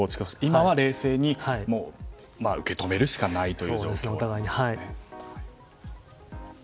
今は冷静に受け止めるしかないという状況ですかね。